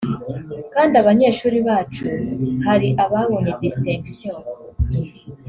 kandi abanyeshuri bacu hari ababonye distinction